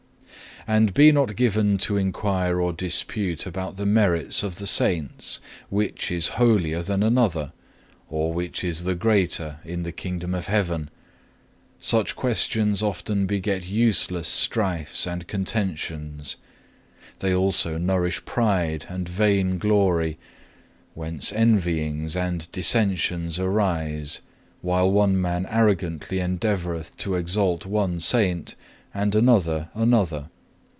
2. "And be not given to inquire or dispute about the merits of the Saints, which is holier than another, or which is the greater in the Kingdom of Heaven. Such questions often beget useless strifes and contentions: they also nourish pride and vain glory, whence envyings and dissensions arise, while one man arrogantly endeavoureth to exalt one Saint and another another.